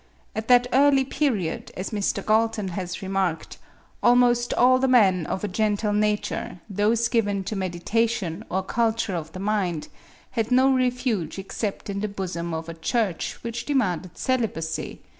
At that early period, as Mr. Galton has remarked, almost all the men of a gentle nature, those given to meditation or culture of the mind, had no refuge except in the bosom of a Church which demanded celibacy (28.